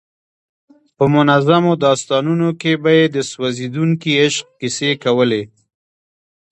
په منظومو داستانونو کې به یې د سوځېدونکي عشق کیسې کولې.